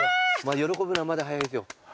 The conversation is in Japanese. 喜ぶのはまだ早いですよ。